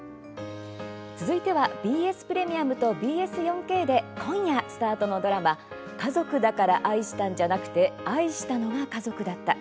続いてはＢＳプレミアムとＢＳ４Ｋで今夜スタートのドラマ「家族だから愛したんじゃなくて、愛したのが家族だった」。